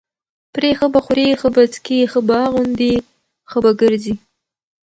پرې ښه به خوري، ښه به څکي ښه به اغوندي، ښه به ګرځي،